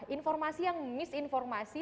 informasi yang misinformasi